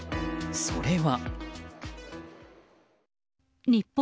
それは。